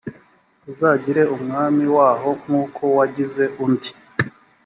uzagire umwami waho nk’uko wagize undi